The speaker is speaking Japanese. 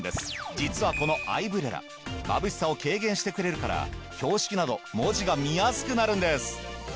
実はこのアイブレラまぶしさを軽減してくれるから標識など文字が見やすくなるんです。